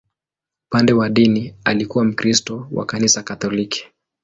Upande wa dini, alikuwa Mkristo wa Kanisa Katoliki.